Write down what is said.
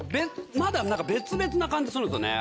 まだなんか別々な感じするんですよね。